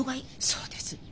そうです。